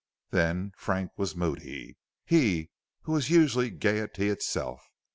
Then Frank was moody, he who was usually gaiety itself.